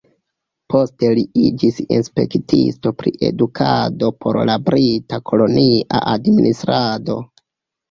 Poste li iĝis inspektisto pri edukado por la brita kolonia administrado.